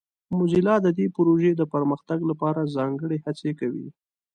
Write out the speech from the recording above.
موزیلا د دې پروژې د پرمختګ لپاره ځانګړې هڅې کوي.